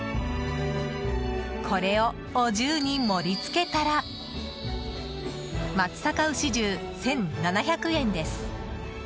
これをお重に盛り付けたら松阪牛重、１７００円です。